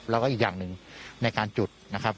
แล้วก็อีกอย่างหนึ่งในการจุดนะครับ